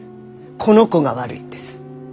この子が悪いんです。